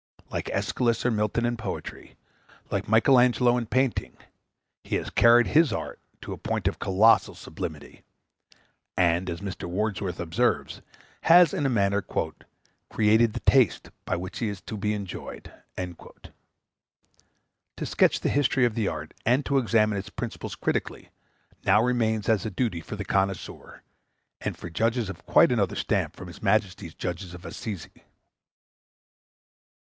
Like Æschylus or Milton in poetry, like Michael Angelo in painting, he has carried his art to a point of colossal sublimity; and, as Mr. Wordsworth observes, has in a manner "created the taste by which he is to be enjoyed." To sketch the history of the art, and to examine its principles critically, now remains as a duty for the connoisseur, and for judges of quite another stamp from his Majesty's Judges of Assize.